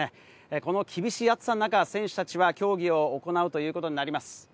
この厳しい暑さの中、選手たちは競技を行うということになります。